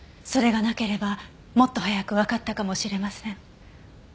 それがなければもっと早くわかったかもしれません。